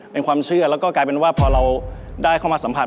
เป็นความเชื่อแล้วก็กลายเป็นว่าพอเราได้เข้ามาสัมผัส